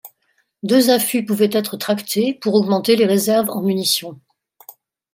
Deux affûts pouvaient être tractés pour augmenter les réserves en munitions.